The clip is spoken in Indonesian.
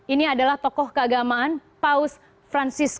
ini adalah tokoh keagamaan paus francisco